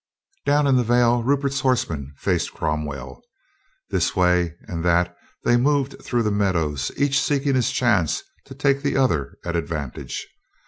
Down in the vale Rupert's horsemen faced Crom well. This way and that they moved through the meadows, each seeking his chance to take the other at advantage.